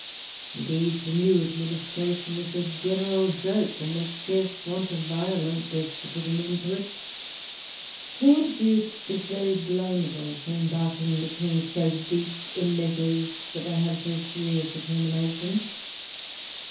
Indeed the new administration is a general joke, and will scarce want a violent death to put an end to it. Lord Bute is very blamable for em))arking the King so deep in measures that may have so serious a termination.